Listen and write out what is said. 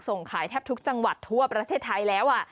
ส่งขายแทบทุกจังหวัดทั่วประเทศไทยแล้ว